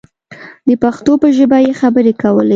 د پښتو په ژبه یې خبرې کولې.